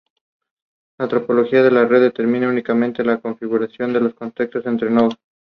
Su clave aparece decorada con el escudo policromado de los Carvajal.